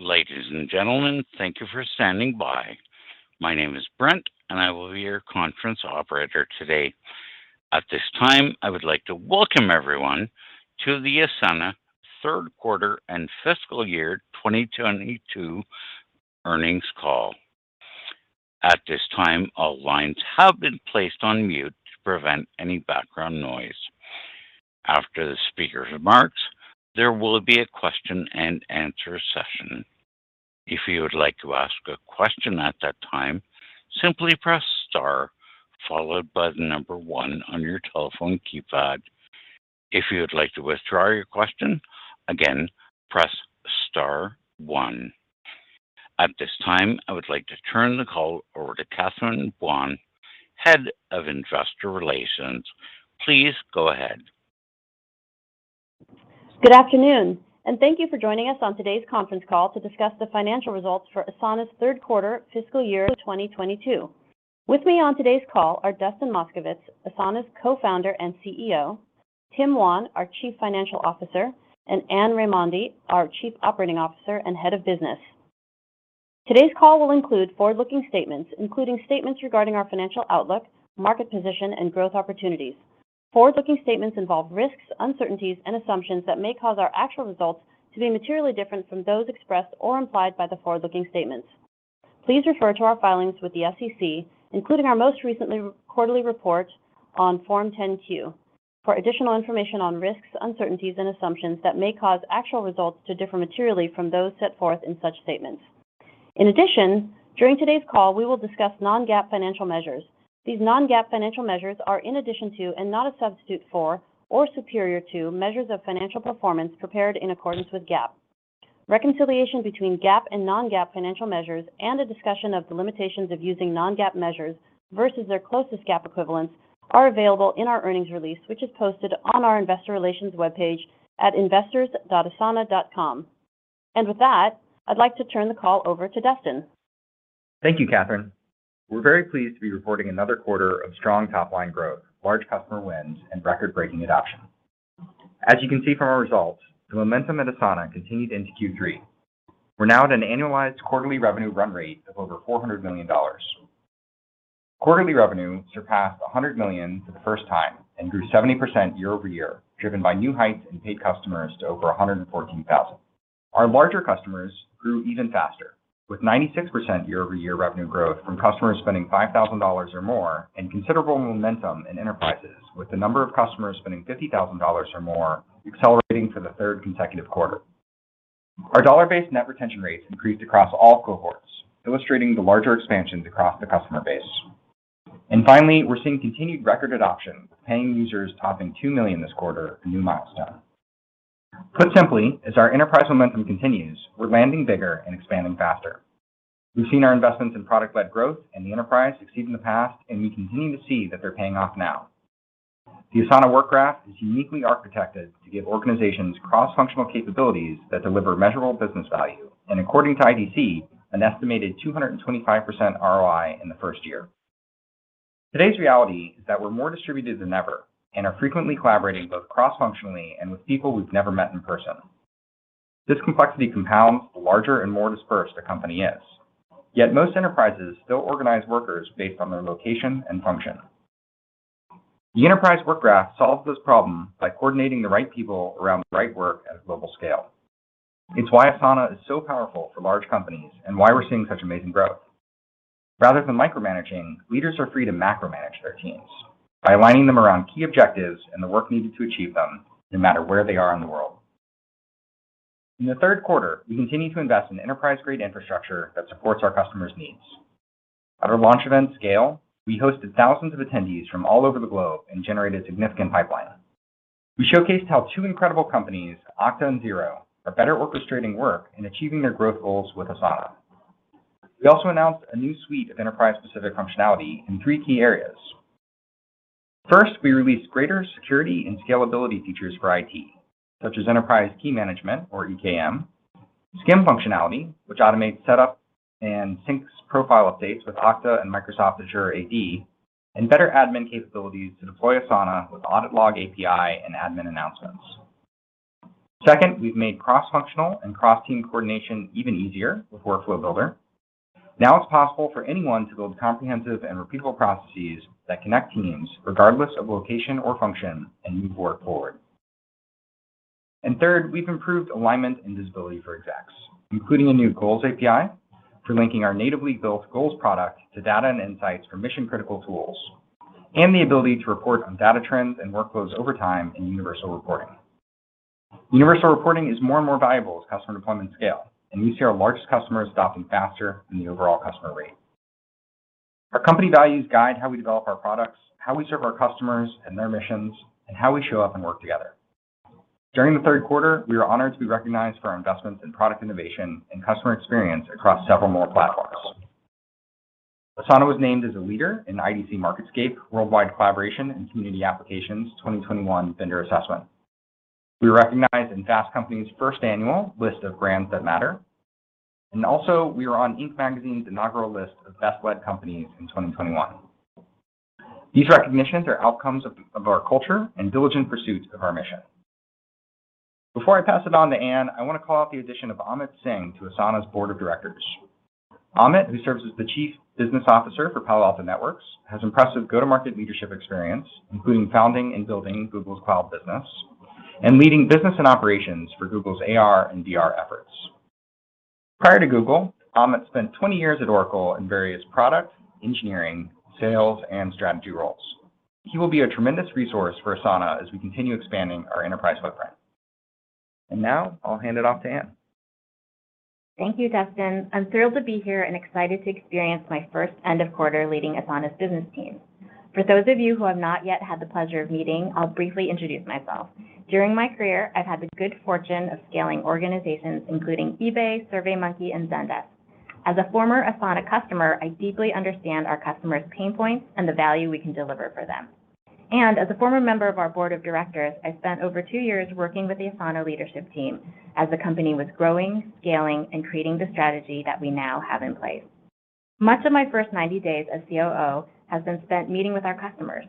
Ladies and gentlemen, thank you for standing by. My name is Brent, and I will be your conference operator today. At this time, I would like to welcome everyone to the Asana third quarter and fiscal year 2022 Earnings Call. At this time, all lines have been placed on mute to prevent any background noise. After the speaker's remarks, there will be a question and answer session. If you would like to ask a question at that time, simply press star followed by the number 1 on your telephone keypad. If you would like to withdraw your question, again, press star 1. At this time, I would like to turn the call over to Catherine Buan, Head of Investor Relations. Please go ahead. Good afternoon, and thank you for joining us on today's Conference Call to discuss the financial results for Asana'sQ3 fiscal year 2022. With me on today's call are Dustin Moskovitz, Asana's Co-founder and CEO, Tim Wan, our Chief Financial Officer, and Anne Raimondi, our Chief Operating Officer and Head of Business. Today's call will include forward-looking statements, including statements regarding our financial outlook, market position, and growth opportunities. Forward-looking statements involve risks, uncertainties, and assumptions that may cause our actual results to be materially different from those expressed or implied by the forward-looking statements. Please refer to our filings with the SEC, including our most recent quarterly report on Form 10-Q, for additional information on risks, uncertainties, and assumptions that may cause actual results to differ materially from those set forth in such statements. In addition, during today's call, we will discuss non-GAAP financial measures. These non-GAAP financial measures are in addition to and not a substitute for or superior to measures of financial performance prepared in accordance with GAAP. Reconciliation between GAAP and non-GAAP financial measures and a discussion of the limitations of using non-GAAP measures versus their closest GAAP equivalents are available in our earnings release, which is posted on our investor relations webpage at investors.asana.com. With that, I'd like to turn the call over to Dustin. Thank you, Catherine. We're very pleased to be reporting another quarter of strong top-line growth, large customer wins, and record-breaking adoption. As you can see from our results, the momentum at Asana continued into Q3. We're now at an annualized quarterly revenue run rate of over $400 million. Quarterly revenue surpassed $100 million for the first time and grew 70% year-over-year, driven by new heights in paid customers to over 114,000. Our larger customers grew even faster, with 96% year-over-year revenue growth from customers spending $5,000 or more, and considerable momentum in enterprises, with the number of customers spending $50,000 or more accelerating for the third consecutive quarter. Our dollar-based net retention rates increased across all cohorts, illustrating the larger expansions across the customer base. Finally, we're seeing continued record adoption, with paying users topping 2 million this quarter, a new milestone. Put simply, as our enterprise momentum continues, we're landing bigger and expanding faster. We've seen our investments in product-led growth and the enterprise succeed in the past, and we continue to see that they're paying off now. The Asana Work Graph is uniquely architected to give organizations cross-functional capabilities that deliver measurable business value, and according to IDC, an estimated 225% ROI in the first year. Today's reality is that we're more distributed than ever and are frequently collaborating both cross-functionally and with people we've never met in person. This complexity compounds the larger and more dispersed a company is. Yet most enterprises still organize workers based on their location and function. The Enterprise Work Graph solves this problem by coordinating the right people around the right work at a global scale. It's why Asana is so powerful for large companies and why we're seeing such amazing growth. Rather than micromanaging, leaders are free to macro-manage their teams by aligning them around key objectives and the work needed to achieve them, no matter where they are in the world. In Q3, we continued to invest in enterprise-grade infrastructure that supports our customers' needs. At our launch event, Scale, we hosted thousands of attendees from all over the globe and generated significant pipeline. We showcased how two incredible companies, Okta and Xero, are better orchestrating work and achieving their growth goals with Asana. We also announced a new suite of enterprise-specific functionality in three key areas. First, we released greater security and scalability features for IT, such as Enterprise Key Management, or EKM, SCIM functionality, which automates setup and syncs profile updates with Okta and Microsoft Azure AD, and better admin capabilities to deploy Asana with Audit Log API and admin announcements. Second, we've made cross-functional and cross-team coordination even easier with Workflow Builder. Now it's possible for anyone to build comprehensive and repeatable processes that connect teams regardless of location or function and move work forward. Third, we've improved alignment and visibility for execs, including a new Goals API for linking our natively built goals product to data and insights for mission-critical tools, and the ability to report on data trends and workflows over time in Universal Reporting. Universal Reporting is more and more valuable as customer deployments scale, and we see our largest customers adopting faster than the overall customer rate. Our company values guide how we develop our products, how we serve our customers and their missions, and how we show up and work together. During Q3, we were honored to be recognized for our investments in product innovation and customer experience across several more platforms. Asana was named as a leader in the IDC MarketScape Worldwide Collaboration and Community Applications 2021 Vendor Assessment. We were recognized in Fast Company's first annual list of Brands That Matter, and also we were on Inc. magazine's inaugural list of Best-Led Companies in 2021. These recognitions are outcomes of our culture and diligent pursuit of our mission. Before I pass it on to Anne, I want to call out the addition of Amit Singh to Asana's board of directors. Amit, who serves as the Chief Business Officer for Palo Alto Networks, has impressive go-to-market leadership experience, including founding and building Google's cloud business and leading business and operations for Google's AR and VR efforts. Prior to Google, Amit spent 20-years at Oracle in various product, engineering, sales, and strategy roles. He will be a tremendous resource for Asana as we continue expanding our enterprise footprint. Now I'll hand it off to Anne. Thank you, Dustin. I'm thrilled to be here and excited to experience my first end of quarter leading Asana's business team. For those of you who I've not yet had the pleasure of meeting, I'll briefly introduce myself. During my career, I've had the good fortune of scaling organizations, including eBay, SurveyMonkey, and Zendesk. As a former Asana customer, I deeply understand our customers' pain points and the value we can deliver for them. As a former member of our board of directors, I spent over 2-years working with the Asana leadership team as the company was growing, scaling, and creating the strategy that we now have in place. Much of my first 90 days as COO has been spent meeting with our customers.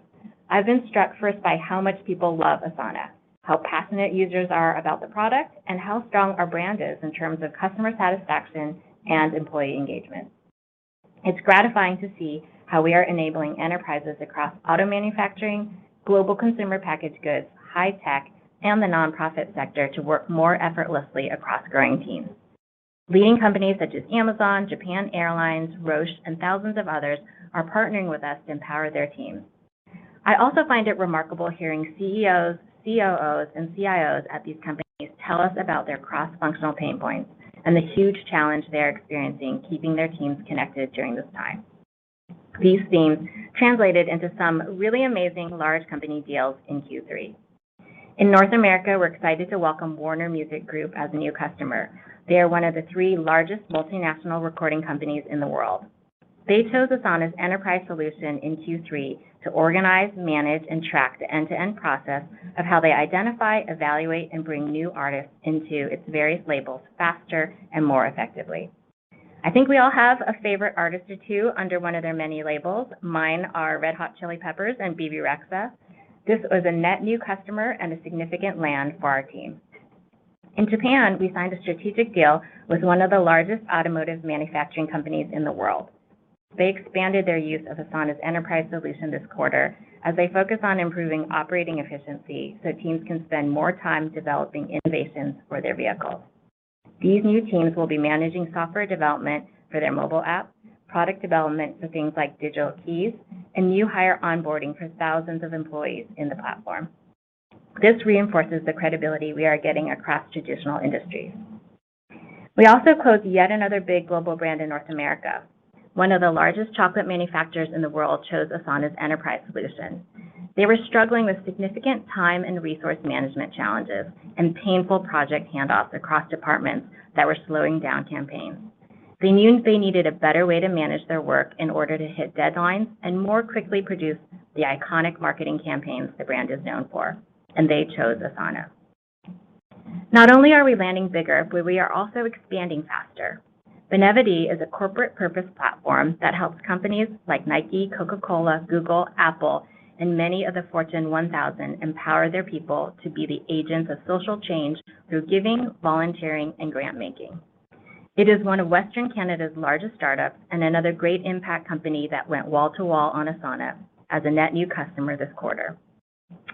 I've been struck first by how much people love Asana, how passionate users are about the product, and how strong our brand is in terms of customer satisfaction and employee engagement. It's gratifying to see how we are enabling enterprises across auto manufacturing, global consumer packaged goods, high tech, and the nonprofit sector to work more effortlessly across growing teams. Leading companies such as Amazon, Japan Airlines, Roche, and thousands of others are partnering with us to empower their teams. I also find it remarkable hearing CEOs, COOs, and CIOs at these companies tell us about their cross-functional pain points and the huge challenge they're experiencing keeping their teams connected during this time. These themes translated into some really amazing large company deals in Q3. In North America, we're excited to welcome Warner Music Group as a new customer. They are one of the three largest multinational recording companies in the world. They chose Asana's enterprise solution in Q3 to organize, manage, and track the end-to-end process of how they identify, evaluate, and bring new artists into its various labels faster and more effectively. I think we all have a favorite artist or two under one of their many labels. Mine are Red Hot Chili Peppers and Bebe Rexha. This was a net new customer and a significant land for our team. In Japan, we signed a strategic deal with one of the largest automotive manufacturing companies in the world. They expanded their use of Asana's enterprise solution this quarter as they focus on improving operating efficiency so teams can spend more time developing innovations for their vehicles. These new teams will be managing software development for their mobile app, product development for things like digital keys, and new hire onboarding for thousands of employees in the platform. This reinforces the credibility we are getting across traditional industries. We also closed yet another big global brand in North America. One of the largest chocolate manufacturers in the world chose Asana's enterprise solution. They were struggling with significant time and resource management challenges and painful project handoffs across departments that were slowing down campaigns. They knew they needed a better way to manage their work in order to hit deadlines and more quickly produce the iconic marketing campaigns the brand is known for, and they chose Asana. Not only are we landing bigger, but we are also expanding faster. Benevity is a corporate purpose platform that helps companies like Nike, Coca-Cola, Google, Apple, and many of the Fortune 1000 empower their people to be the agents of social change through giving, volunteering, and grant making. It is one of Western Canada's largest startups and another great impact company that went wall to wall on Asana as a net new customer this quarter.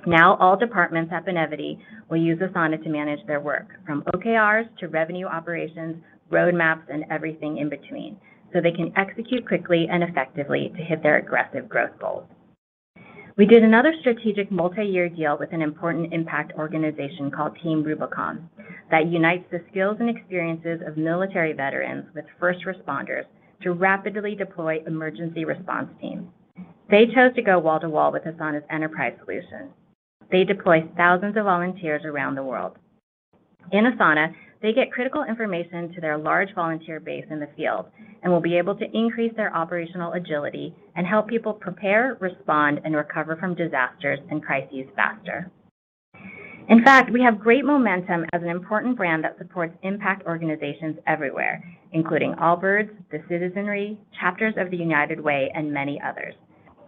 Now, all departments at Benevity will use Asana to manage their work, from OKRs to revenue operations, roadmaps, and everything in between, so they can execute quickly and effectively to hit their aggressive growth goals. We did another strategic multi-year deal with an important impact organization called Team Rubicon that unites the skills and experiences of military veterans with first responders to rapidly deploy emergency response teams. They chose to go wall to wall with Asana's enterprise solution. They deploy thousands of volunteers around the world. In Asana, they get critical information to their large volunteer base in the field and will be able to increase their operational agility and help people prepare, respond, and recover from disasters and crises faster. In fact, we have great momentum as an important brand that supports impact organizations everywhere, including Allbirds, The Citizenry, chapters of the United Way, and many others.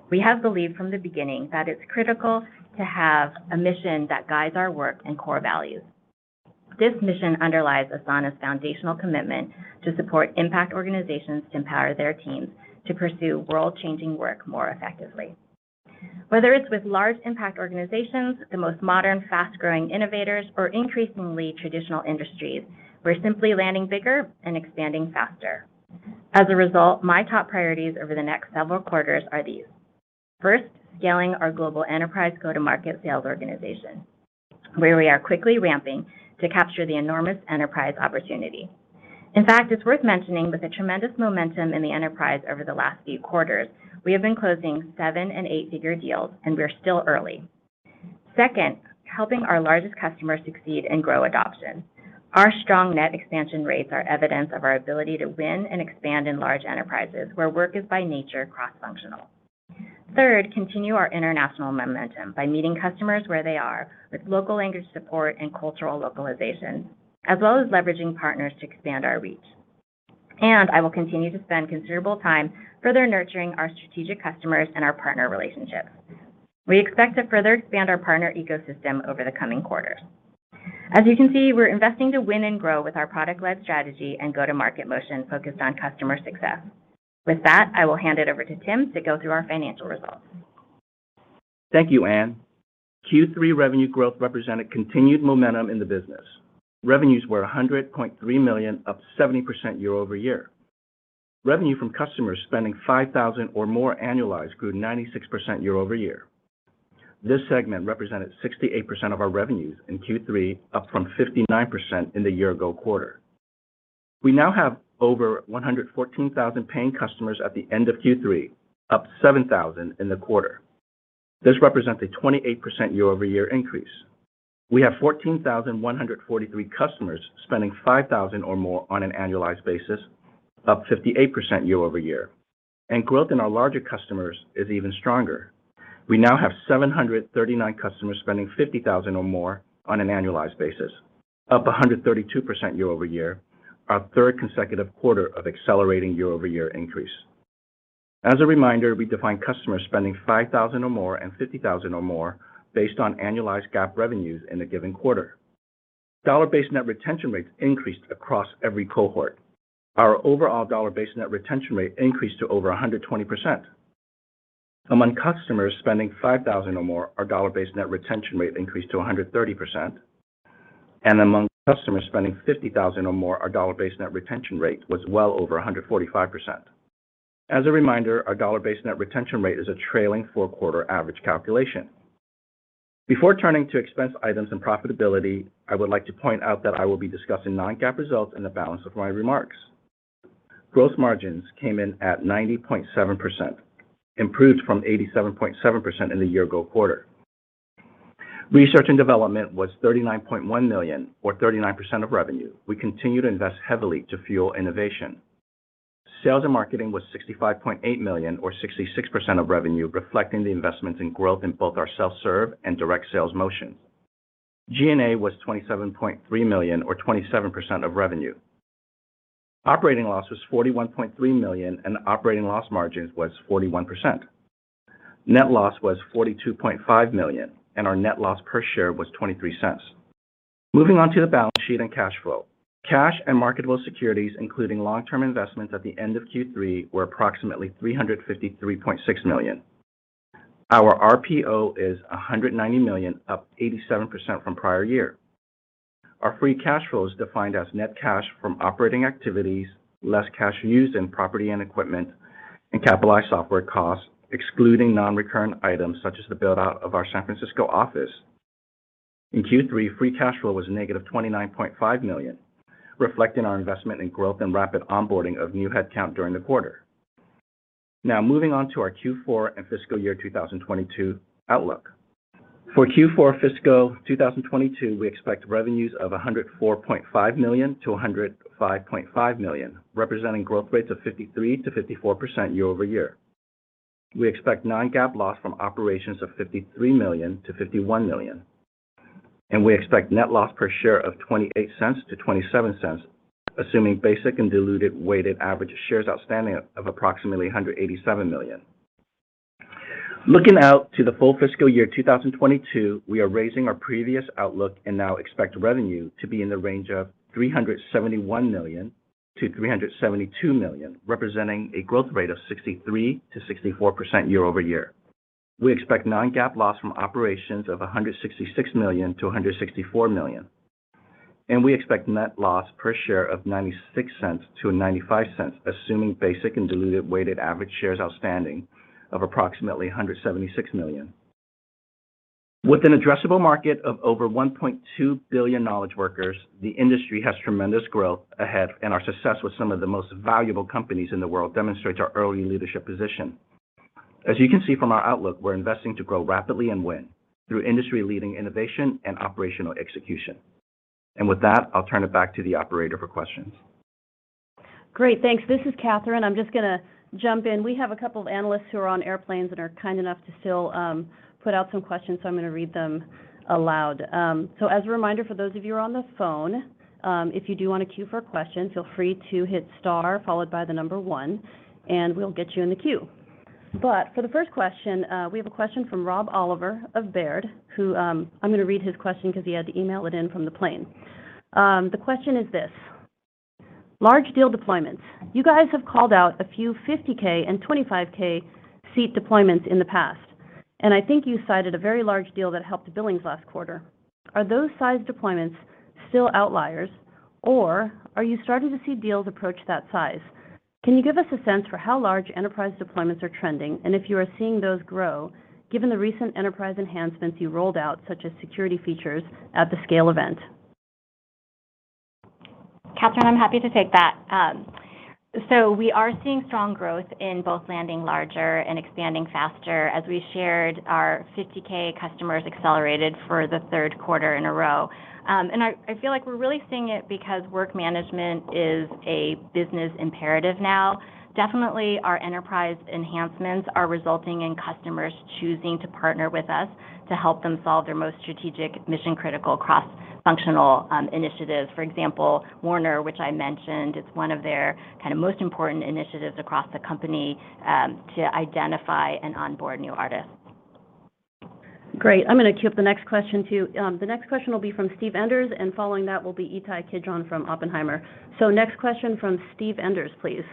We have believed from the beginning that it's critical to have a mission that guides our work and core values. This mission underlies Asana's foundational commitment to support impact organizations to empower their teams to pursue world-changing work more effectively. Whether it's with large impact organizations, the most modern, fast-growing innovators, or increasingly traditional industries, we're simply landing bigger and expanding faster. As a result, my top priorities over the next several quarters are these. First, scaling our global enterprise go-to-market sales organization, where we are quickly ramping to capture the enormous enterprise opportunity. In fact, it's worth mentioning with the tremendous momentum in the enterprise over the last few quarters, we have been closing 7- and 8-figure deals, and we're still early. Second, helping our largest customers succeed and grow adoption. Our strong net expansion rates are evidence of our ability to win and expand in large enterprises where work is by nature cross-functional. Third, continue our international momentum by meeting customers where they are with local language support and cultural localization, as well as leveraging partners to expand our reach. I will continue to spend considerable time further nurturing our strategic customers and our partner relationships. We expect to further expand our partner ecosystem over the coming quarters. As you can see, we're investing to win and grow with our product-led strategy and go-to-market motion focused on customer success. With that, I will hand it over to Tim to go through our financial results. Thank you, Anne. Q3 revenue growth represented continued momentum in the business. Revenues were $100.3 million, up 70% year-over-year. Revenue from customers spending $5,000 or more annualized grew 96% year-over-year. This segment represented 68% of our revenues in Q3, up from 59% in the year ago quarter. We now have over 114,000 paying customers at the end of Q3, up 7,000 in the quarter. This represents a 28% year-over-year increase. We have 14,143 customers spending $5,000 or more on an annualized basis, up 58% year-over-year. Growth in our larger customers is even stronger. We now have 739 customers spending $50,000 or more on an annualized basis, up 132% year-over-year, our third consecutive quarter of accelerating year-over-year increase. As a reminder, we define customers spending $5,000 or more and $50,000 or more based on annualized GAAP revenues in a given quarter. Dollar-based net retention rates increased across every cohort. Our overall dollar-based net retention rate increased to over 120%. Among customers spending $5,000 or more, our dollar-based net retention rate increased to 130%. Among customers spending $50,000 or more, our dollar-based net retention rate was well over 145%. As a reminder, our dollar-based net retention rate is a trailing 4-quarter average calculation. Before turning to expense items and profitability, I would like to point out that I will be discussing non-GAAP results in the balance of my remarks. Gross margins came in at 90.7%, improved from 87.7% in the year ago quarter. Research and development was $39.1 million, or 39% of revenue. We continue to invest heavily to fuel innovation. Sales and marketing was $65.8 million, or 66% of revenue, reflecting the investments in growth in both our self-serve and direct sales motion. G&A was $27.3 million, or 27% of revenue. Operating loss was $41.3 million, and operating loss margins was 41%. Net loss was $42.5 million, and our net loss per share was $0.23. Moving on to the balance sheet and cash flow. Cash and marketable securities, including long-term investments at the end of Q3, were approximately $353.6 million. Our RPO is $190 million, up 87% from prior year. Our free cash flow is defined as net cash from operating activities, less cash used in property and equipment and capitalized software costs, excluding non-recurrent items such as the build-out of our San Francisco office. In Q3, free cash flow was -$29.5 million, reflecting our investment in growth and rapid onboarding of new headcount during the quarter. Now moving on to our Q4 and fiscal year 2022 outlook. For Q4 fiscal 2022, we expect revenues of $104.5 million-$105.5 million, representing growth rates of 53%-54% year-over-year. We expect non-GAAP loss from operations of $53 million-$51 million, and we expect net loss per share of $0.28-$0.27, assuming basic and diluted weighted average shares outstanding of approximately 187 million. Looking out to the full fiscal year 2022, we are raising our previous outlook and now expect revenue to be in the range of $371 million-$372 million, representing a growth rate of 63%-64% year-over-year. We expect non-GAAP loss from operations of $166 million-$164 million, and we expect net loss per share of $0.96-$0.95, assuming basic and diluted weighted average shares outstanding of approximately 176 million. With an addressable market of over 1.2 billion knowledge workers, the industry has tremendous growth ahead, and our success with some of the most valuable companies in the world demonstrates our early leadership position. As you can see from our outlook, we're investing to grow rapidly and win through industry-leading innovation and operational execution. With that, I'll turn it back to the operator for questions. Great, thanks. This is Catherine. I'm just gonna jump in. We have a couple of analysts who are on airplanes and are kind enough to still put out some questions, so I'm gonna read them aloud. So as a reminder for those of you who are on the phone, if you do want to queue for a question, feel free to hit star followed by the number 1, and we'll get you in the queue. For the first question, we have a question from Rob Oliver of Baird, who I'm gonna read his question because he had to email it in from the plane. The question is this: Large deal deployments. You guys have called out a few 50,000 and 25,000 seat deployments in the past, and I think you cited a very large deal that helped billings last quarter. Are those size deployments still outliers, or are you starting to see deals approach that size? Can you give us a sense for how large enterprise deployments are trending and if you are seeing those grow given the recent enterprise enhancements you rolled out, such as security features at the Scale event? Catherine, I'm happy to take that. So we are seeing strong growth in both landing larger and expanding faster. As we shared, our 50K customers accelerated for Q3 in a row. I feel like we're really seeing it because work management is a business imperative now. Definitely, our enterprise enhancements are resulting in customers choosing to partner with us to help them solve their most strategic mission-critical cross-functional initiatives. For example, Warner, which I mentioned, it's one of their kind of most important initiatives across the company to identify and onboard new artists. Great. I'm gonna queue up the next question too. The next question will be from Steve Enders, and following that will be Ittai Kidron from Oppenheimer. Next question from Steve Enders, please.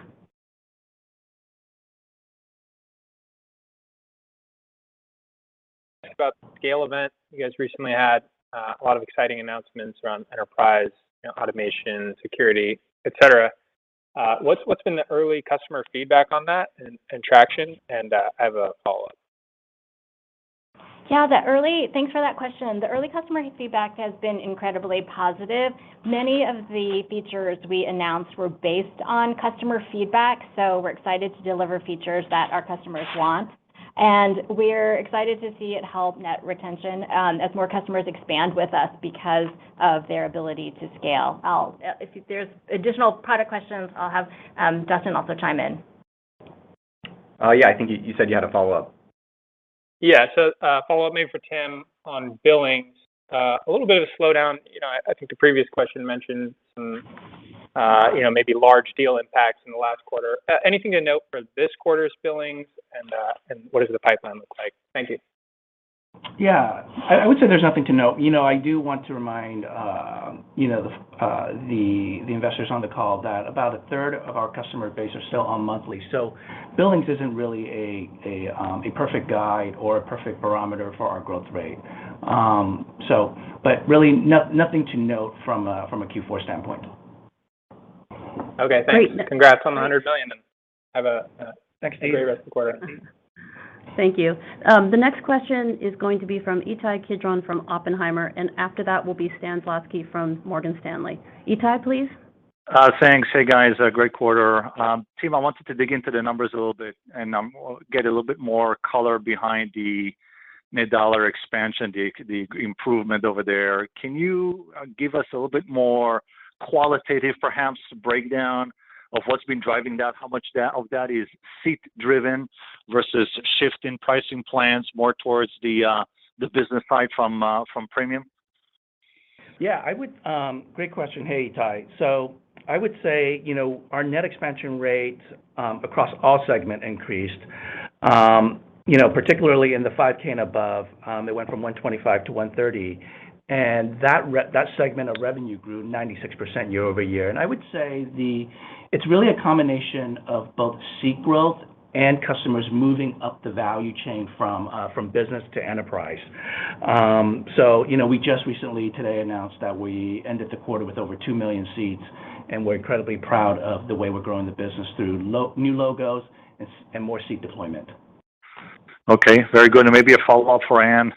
About Scale event, you guys recently had a lot of exciting announcements around enterprise, you know, automation, security, et cetera. What's been the early customer feedback on that and traction? I have a follow-up. Thanks for that question. The early customer feedback has been incredibly positive. Many of the features we announced were based on customer feedback, so we're excited to deliver features that our customers want, and we're excited to see it help net retention as more customers expand with us because of their ability to scale. If there's additional product questions, I'll have Dustin also chime in. Yeah. I think you said you had a follow-up. Yeah. A follow-up maybe for Tim on billings. A little bit of a slowdown. You know, I think the previous question mentioned some, you know, maybe large deal impacts in the last quarter. Anything to note for this quarter's billings and what does the pipeline look like? Thank you. Yeah. I would say there's nothing to note. I do want to remind the investors on the call that about a third of our customer base are still on monthly. Billings isn't really a perfect guide or a perfect barometer for our growth rate. Really nothing to note from a Q4 standpoint. Okay. Thanks. Great. Congrats on the $100 million. Thanks to you. Great rest of the quarter. Thank you. The next question is going to be from Ittai Kidron from Oppenheimer, and after that will be Stan Zlotsky from Morgan Stanley. Ittai, please. Thanks. Hey, guys. Great quarter. Team, I wanted to dig into the numbers a little bit and get a little bit more color behind the net dollar expansion, the improvement over there. Can you give us a little bit more qualitative perhaps breakdown of what's been driving that? How much of that is seat driven versus shift in pricing plans more towards the Business side from Premium? Great question. Hey, Ittai. I would say, you know, our net expansion rate across all segment increased, you know, particularly in the 5K and above. It went from 125 to 130, and that segment of revenue grew 96% year-over-year. I would say it's really a combination of both seat growth and customers moving up the value chain from business to enterprise. You know, we just recently today announced that we ended the quarter with over 2 million seats, and we're incredibly proud of the way we're growing the business through new logos and more seat deployment. Okay. Very good. Maybe a follow-up for Anne.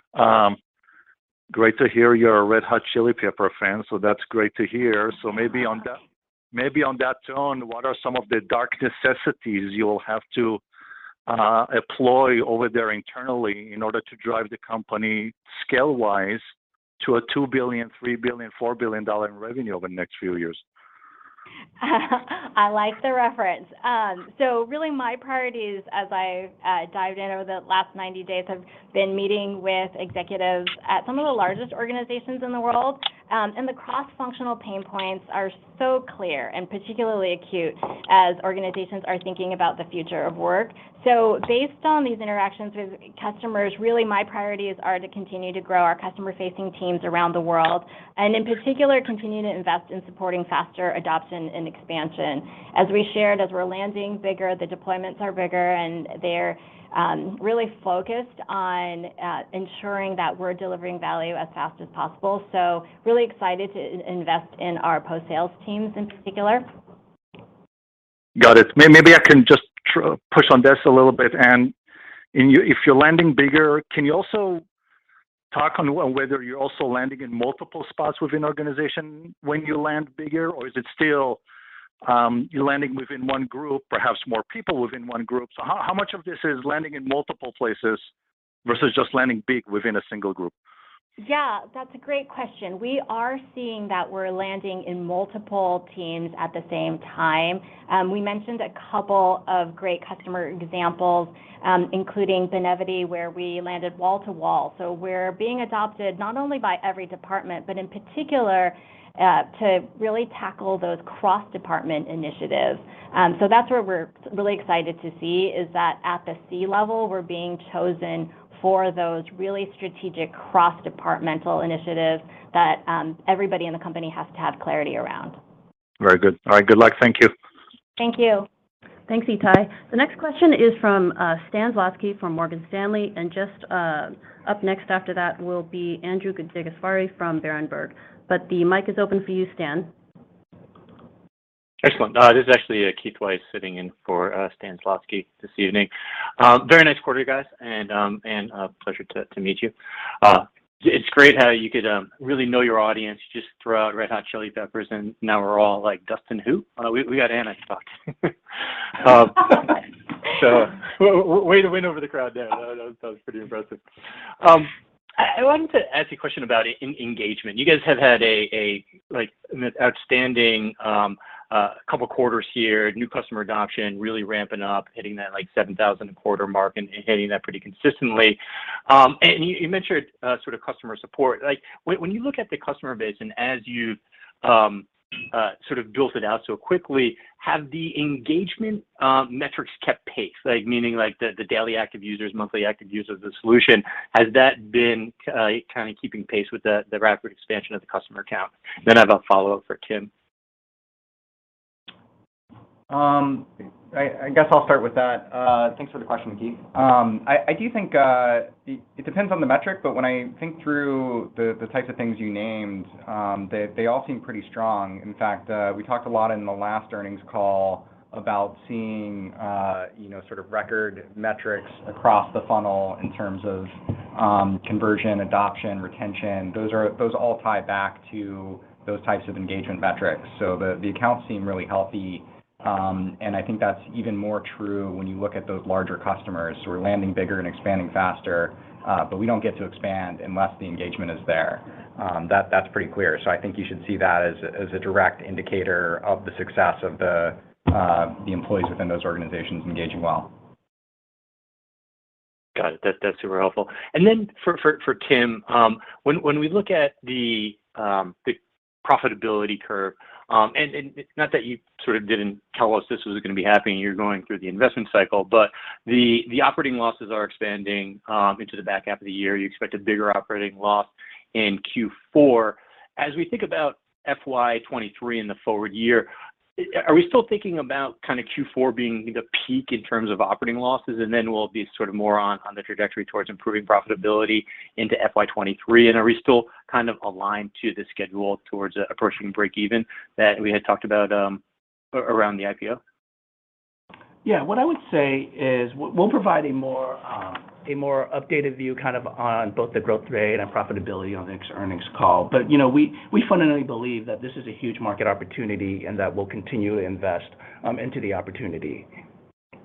Great to hear you're a Red Hot Chili Peppers fan, so that's great to hear. Maybe on that. Yeah. Maybe on that tone, what are some of the dark necessities you'll have to employ over there internally in order to drive the company scale-wise to a $2 billion, $3 billion, $4 billion dollar in revenue over the next few years? I like the reference. Really my priorities as I dived in over the last 90 days have been meeting with executives at some of the largest organizations in the world. The cross-functional pain points are so clear and particularly acute as organizations are thinking about the future of work. Based on these interactions with customers, really my priorities are to continue to grow our customer-facing teams around the world, and in particular, continue to invest in supporting faster adoption and expansion. As we shared, as we're landing bigger, the deployments are bigger, and they're really focused on ensuring that we're delivering value as fast as possible. Really excited to invest in our post-sales teams in particular. Got it. Maybe I can just push on this a little bit, Anne. If you're landing bigger, can you also talk on whether you're also landing in multiple spots within organization when you land bigger, or is it still you're landing within one group, perhaps more people within one group? How much of this is landing in multiple places versus just landing big within a single group? Yeah, that's a great question. We are seeing that we're landing in multiple teams at the same time. We mentioned a couple of great customer examples, including Benevity, where we landed wall-to-wall. We're being adopted not only by every department, but in particular, to really tackle those cross-department initiatives. That's where we're really excited to see, is that at the C-level, we're being chosen for those really strategic cross-departmental initiatives that everybody in the company has to have clarity around. Very good. All right. Good luck. Thank you. Thank you. Thanks, Ittai. The next question is from Stan Zlotsky from Morgan Stanley, and just up next after that will be Andrew DeGasperi from Berenberg. The mic is open for you, Stan. Excellent. This is actually Keith Weiss sitting in for Stan Zlotsky this evening. Very nice quarter, guys, and Anne, a pleasure to meet you. It's great how you could really know your audience, just throw out Red Hot Chili Peppers, and now we're all like, "Dustin who?" We got Anne to talk. So way to win over the crowd there. That was pretty impressive. I wanted to ask you a question about engagement. You guys have had like an outstanding couple quarters here, new customer adoption really ramping up, hitting that like 7,000 a quarter mark and hitting that pretty consistently. You mentioned sort of customer support. Like when you look at the customer base and as you've sort of built it out so quickly, have the engagement metrics kept pace? Like meaning like the daily active users, monthly active users of the solution, has that been kind of keeping pace with the rapid expansion of the customer count? I have a follow-up for Tim. I guess I'll start with that. Thanks for the question, Keith. I do think it depends on the metric, but when I think through the types of things you named, they all seem pretty strong. In fact, we talked a lot in the last earnings call about seeing, you know, sort of record metrics across the funnel in terms of conversion, adoption, retention. Those all tie back to those types of engagement metrics. The accounts seem really healthy, and I think that's even more true when you look at those larger customers who are landing bigger and expanding faster, but we don't get to expand unless the engagement is there. That's pretty clear. I think you should see that as a direct indicator of the success of the employees within those organizations engaging well. Got it. That's super helpful. For Tim, when we look at the profitability curve, and not that you sort of didn't tell us this was gonna be happening, you're going through the investment cycle, but the operating losses are expanding into the back half of the year. You expect a bigger operating loss in Q4. As we think about FY 2023 and the forward year, are we still thinking about kind of Q4 being the peak in terms of operating losses, and then we'll be sort of more on the trajectory towards improving profitability into FY 2023? Are we still kind of aligned to the schedule towards approaching break even that we had talked about around the IPO? What I would say is we'll provide a more updated view kind of on both the growth rate and profitability on the next earnings call. You know, we fundamentally believe that this is a huge market opportunity and that we'll continue to invest into the opportunity.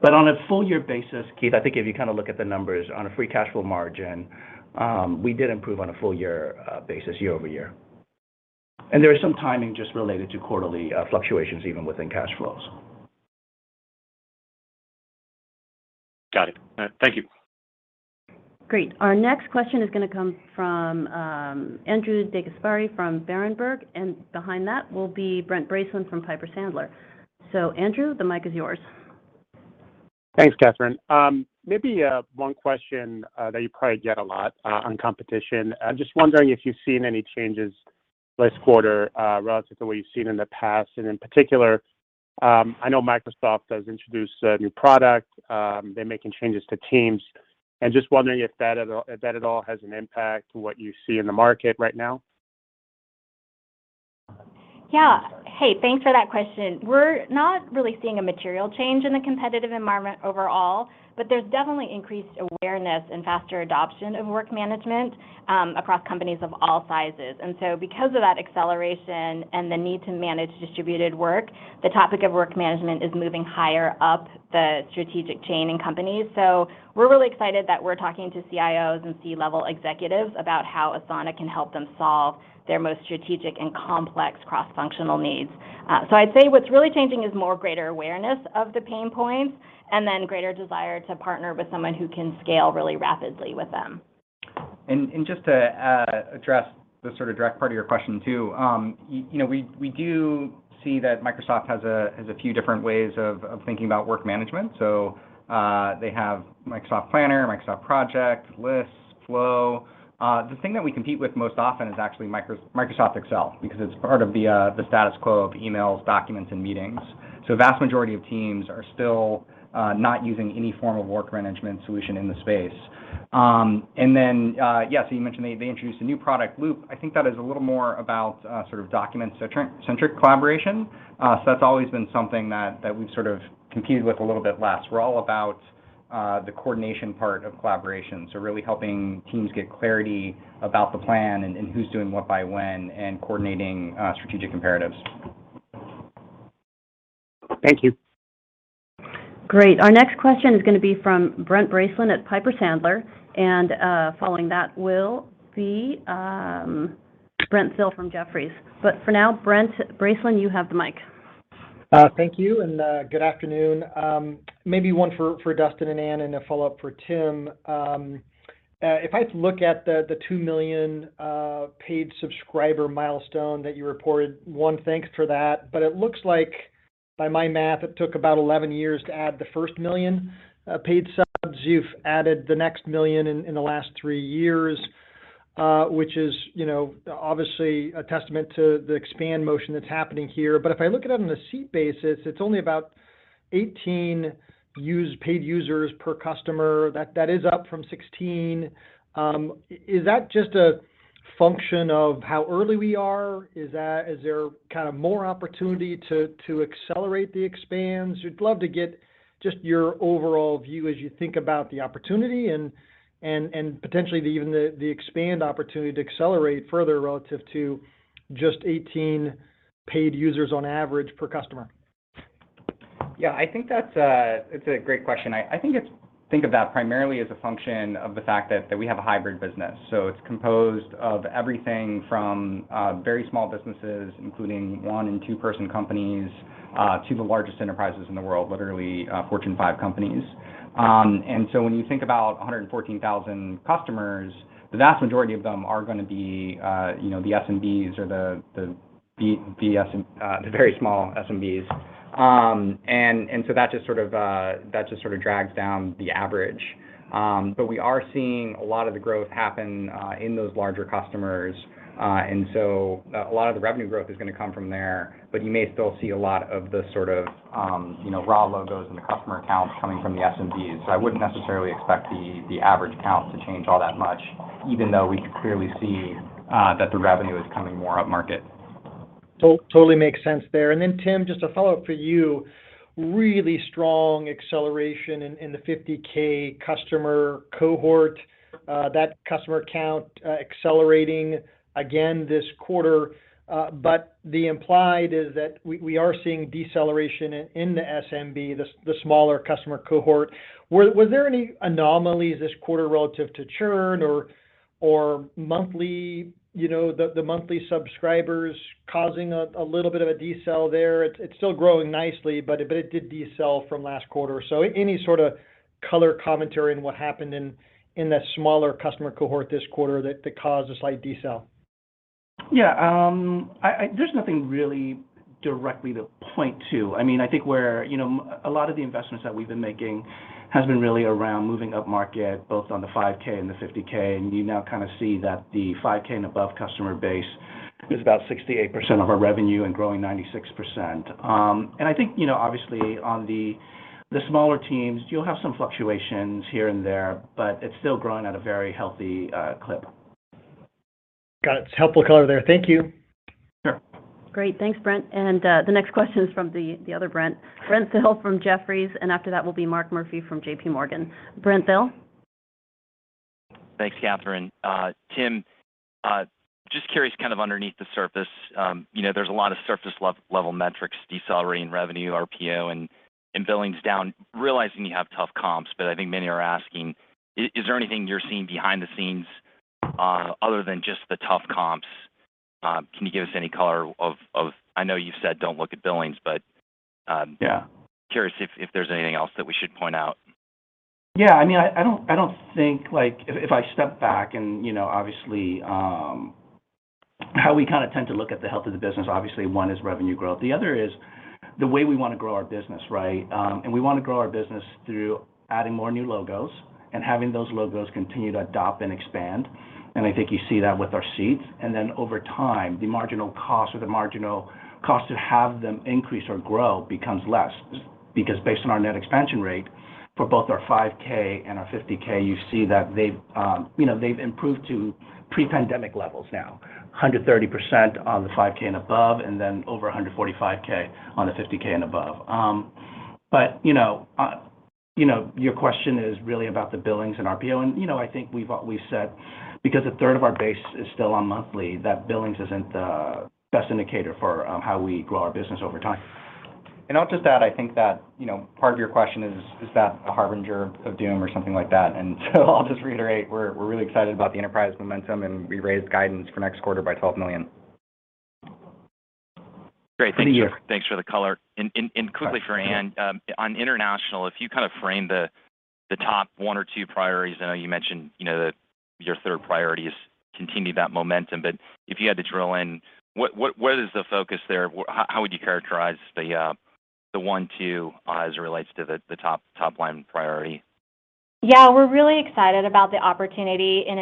On a full-year basis, Keith, I think if you kind of look at the numbers on a free cash flow margin, we did improve on a full year basis year-over-year. There is some timing just related to quarterly fluctuations even within cash flows. Got it. Thank you. Great. Our next question is gonna come from Andrew DeGasperi from Berenberg, and behind that will be Brent Bracelin from Piper Sandler. Andrew, the mic is yours. Thanks, Catherine. Maybe one question that you probably get a lot on competition. Just wondering if you've seen any changes this quarter relative to what you've seen in the past. In particular, I know Microsoft has introduced a new product. They're making changes to Teams. Just wondering if that at all has an impact to what you see in the market right now. Yeah. Hey, thanks for that question. We're not really seeing a material change in the competitive environment overall, but there's definitely increased awareness and faster adoption of work management across companies of all sizes. Because of that acceleration and the need to manage distributed work, the topic of work management is moving higher up the strategic chain in companies. We're really excited that we're talking to CIOs and C-level executives about how Asana can help them solve their most strategic and complex cross-functional needs. I'd say what's really changing is more greater awareness of the pain points and then greater desire to partner with someone who can scale really rapidly with them. Just to address the sort of direct part of your question too, you know, we do see that Microsoft has a few different ways of thinking about work management. They have Microsoft Planner, Microsoft Project, Microsoft Lists, Microsoft Flow. The thing that we compete with most often is actually Microsoft Excel, because it's part of the status quo of emails, documents, and meetings. A vast majority of teams are still not using any form of work management solution in the space. You mentioned they introduced a new product, Microsoft Loop. I think that is a little more about sort of document-centric collaboration. That's always been something that we've sort of competed with a little bit less. We're all about the coordination part of collaboration, so really helping teams get clarity about the plan and who's doing what by when and coordinating strategic imperatives. Thank you. Great. Our next question is gonna be from Brent Bracelin at Piper Sandler, and, following that will be, Brent Thill from Jefferies. For now, Brent Bracelin, you have the mic. Thank you, and good afternoon. Maybe one for Dustin and Anne, and a follow-up for Tim. If I look at the 2 million paid subscriber milestone that you reported, one, thanks for that. It looks like by my math, it took about 11-years to add the first 1 million paid subs. You've added the next 1 million in the last 3-years, which is, you know, obviously a testament to the expansion that's happening here. If I look at it on a seat basis, it's only about 18 paid users per customer. That is up from 16. Is that just a function of how early we are? Is there kind of more opportunity to accelerate the expands? We'd love to get just your overall view as you think about the opportunity and potentially even the expansion opportunity to accelerate further relative to just 18 paid users on average per customer. Yeah, I think that's a great question. Think of that primarily as a function of the fact that we have a hybrid business. It's composed of everything from very small businesses, including one- and two-person companies, to the largest enterprises in the world, literally, Fortune 5 companies. When you think about 114,000 customers, the vast majority of them are gonna be, you know, the SMBs or the VS, the very small SMBs. That just sort of drags down the average. We are seeing a lot of the growth happen in those larger customers. A lot of the revenue growth is gonna come from there, but you may still see a lot of the sort of raw logos in the customer accounts coming from the SMBs. I wouldn't necessarily expect the average count to change all that much, even though we can clearly see that the revenue is coming more up market. Totally makes sense there. Then Tim, just a follow-up for you. Really strong acceleration in the 50K customer cohort. That customer count accelerating again this quarter. But the implied is that we are seeing deceleration in the SMB, the smaller customer cohort. Was there any anomalies this quarter relative to churn or monthly, you know, the monthly subscribers causing a little bit of a decel there? It's still growing nicely, but it did decel from last quarter. Any sort of color commentary on what happened in that smaller customer cohort this quarter that caused a slight decel? Yeah. There's nothing really directly to point to. I mean, I think we're, you know, a lot of the investments that we've been making has been really around moving up market, both on the 5K and the 50K. You now kind of see that the 5K and above customer base is about 68% of our revenue and growing 96%. I think, you know, obviously on the smaller teams, you'll have some fluctuations here and there, but it's still growing at a very healthy clip. Got it. It's helpful color there. Thank you. Sure. Great. Thanks, Brent. The next question is from the other Brent. Brent Thill from Jefferies, and after that will be Mark Murphy from J.P. Morgan. Brent Thill? Thanks, Catherine. Tim, just curious kind of underneath the surface, you know, there's a lot of surface level metrics decelerating revenue, RPO and billings down. Realizing you have tough comps, but I think many are asking, is there anything you're seeing behind the scenes, other than just the tough comps? Can you give us any color on, I know you said don't look at billings, but Yeah Curious if there's anything else that we should point out? Yeah. I mean, I don't think like if I step back and you know obviously how we kind of tend to look at the health of the business, obviously one is revenue growth. The other is the way we wanna grow our business, right? We wanna grow our business through adding more new logos and having those logos continue to adopt and expand, and I think you see that with our seats. Then over time, the marginal cost to have them increase or grow becomes less because based on our net expansion rate for both our 5K and our 50K, you see that they've you know they've improved to pre-pandemic levels now. 130% on the 5K and above, and then over 145% on the 50K and above. You know, your question is really about the billings and RPO, and you know, I think we've said because a third of our base is still on monthly, that billings isn't the best indicator for how we grow our business over time. I'll just add, I think that, you know, part of your question is that a harbinger of doom or something like that? I'll just reiterate, we're really excited about the enterprise momentum, and we raised guidance for next quarter by $12 million. Great. Thank you. Thanks for the color. Quickly for Anne. On international, if you kind of frame the top one or two priorities, I know you mentioned, you know, that your third priority is continue that momentum. But if you had to drill in, what is the focus there? How would you characterize the one two, as it relates to the top-line priority? Yeah. We're really excited about the opportunity in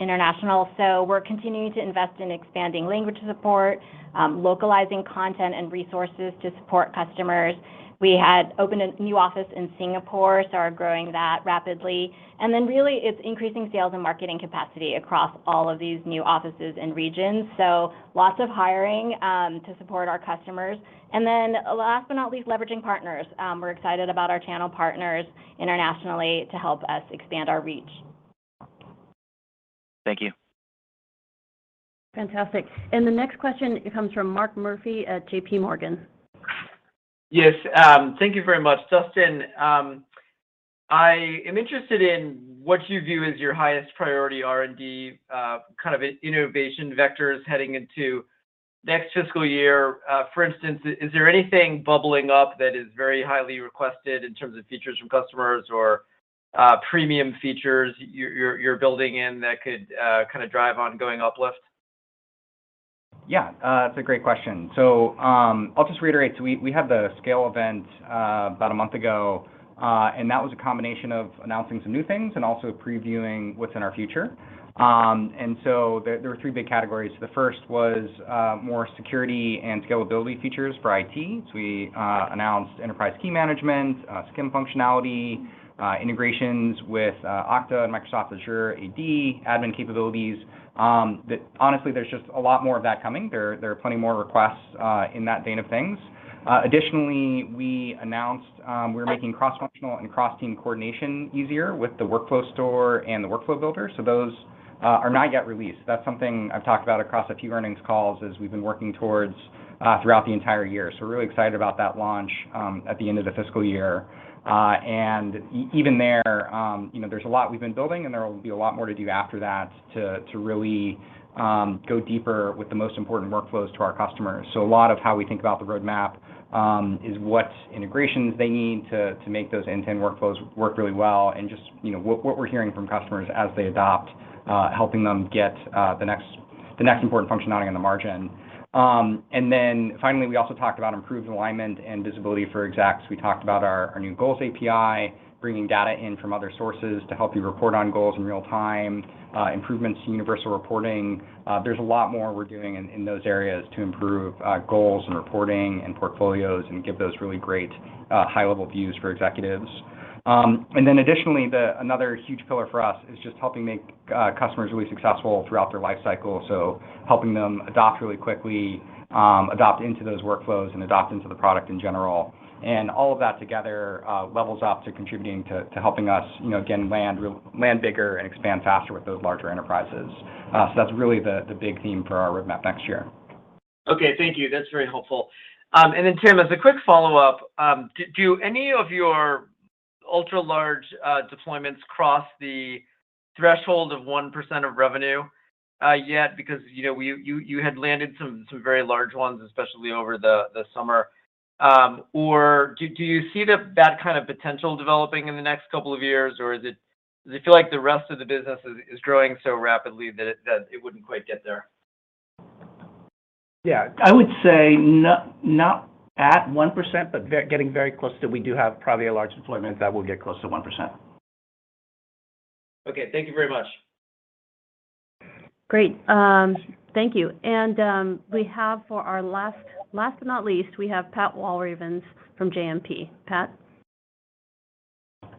international. We're continuing to invest in expanding language support, localizing content and resources to support customers. We had opened a new office in Singapore, so are growing that rapidly. Really it's increasing sales and marketing capacity across all of these new offices and regions, so lots of hiring to support our customers. Last but not least, leveraging partners. We're excited about our channel partners internationally to help us expand our reach. Thank you. Fantastic. The next question comes from Mark Murphy at J.P. Morgan. Yes. Thank you very much. Dustin, I am interested in what you view as your highest priority R&D, kind of innovation vectors heading into next fiscal year. For instance, is there anything bubbling up that is very highly requested in terms of features from customers or premium features you're building in that could kind of drive ongoing uplift? Yeah. That's a great question. I'll just reiterate. We had the Scale event about a month ago, and that was a combination of announcing some new things and also previewing what's in our future. There were three big categories. The first was more security and scalability features for IT. We announced Enterprise Key Management, SCIM functionality, integrations with Okta and Microsoft Azure AD, admin capabilities. Honestly, there's just a lot more of that coming. There are plenty more requests in that vein of things. Additionally, we announced we're making cross-functional and cross-team coordination easier with the workflow store and the Workflow Builder, so those are not yet released. That's something I've talked about across a few earnings calls as we've been working towards throughout the entire year. We're really excited about that launch at the end of the fiscal year. Even there, you know, there's a lot we've been building, and there will be a lot more to do after that to really go deeper with the most important workflows to our customers. A lot of how we think about the roadmap. Is what integrations they need to make those end-to-end workflows work really well, and just, you know, what we're hearing from customers as they adopt, helping them get the next important functionality on the margin. Finally, we also talked about improved alignment and visibility for execs. We talked about our new Goals API, bringing data in from other sources to help you report on goals in real time, improvements to Universal Reporting. There's a lot more we're doing in those areas to improve goals and reporting and portfolios and give those really great high-level views for executives. Additionally, another huge pillar for us is just helping make customers really successful throughout their life cycle, so helping them adopt really quickly, adopt into those workflows and adopt into the product in general. All of that together levels up to contributing to helping us, you know, again, land bigger and expand faster with those larger enterprises. That's really the big theme for our roadmap next year. Okay. Thank you. That's very helpful. Tim, as a quick follow-up, do any of your ultra-large deployments cross the threshold of 1% of revenue yet? Because you had landed some very large ones, especially over the summer. Or do you see that kind of potential developing in the next couple of years, or does it feel like the rest of the business is growing so rapidly that it wouldn't quite get there? Yeah. I would say not at 1%, but getting very close to 1%. We do have probably a large deployment that will get close to 1%. Okay. Thank you very much. Great. Thank you. We have, for our last but not least, Pat Walravens from JMP. Pat?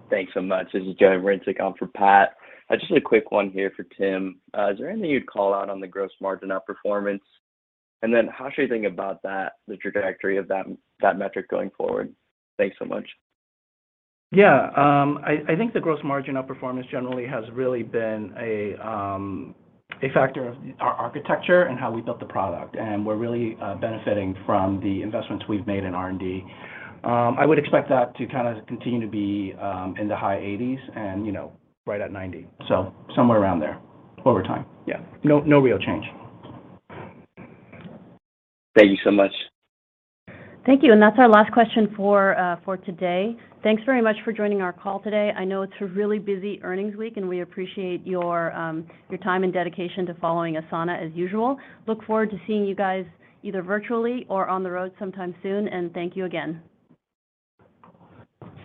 Thanks so much. This is Joe Marincek. I'm for Pat. Just a quick one here for Tim. Is there anything you'd call out on the gross margin outperformance? How should you think about that, the trajectory of that metric going forward? Thanks so much. Yeah. I think the gross margin outperformance generally has really been a factor of our architecture and how we built the product, and we're really benefiting from the investments we've made in R&D. I would expect that to kind of continue to be in the high 80s% and, you know, right at 90%, so somewhere around there over time. Yeah. No real change. Thank you so much. Thank you, and that's our last question for today. Thanks very much for joining our call today. I know it's a really busy earnings week, and we appreciate your time and dedication to following Asana as usual. Look forward to seeing you guys either virtually or on the road sometime soon, and thank you again.